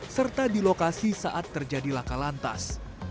serta di lokasi saat terjadi laka lantas